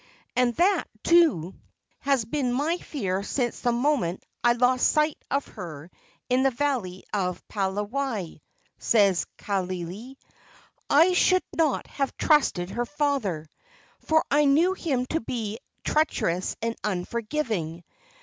"And that, too, has been my fear since the moment I lost sight of her in the valley of Palawai," said Kaaialii. "I should not have trusted her father, for I knew him to be treacherous and unforgiving.